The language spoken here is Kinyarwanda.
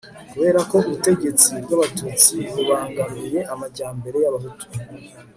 kuberako ubutegetsi bw'abatutsi bubangamiye amajyambere y'abahutu